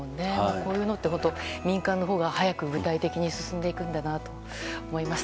こういうのって民間のほうが早く具体的に進んでいくんだなと思います。